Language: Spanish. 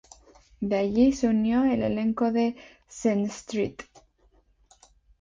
De allí se unió al elenco de "Cents Street".